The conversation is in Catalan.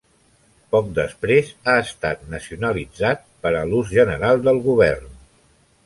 Poc després, ha estat "nacionalitzat" per a l'ús general del Govern.